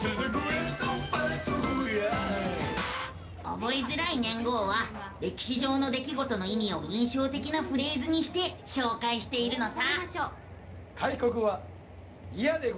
覚えづらい年号は歴史上の出来事の意味を印象的なフレーズにして紹介しているのさ。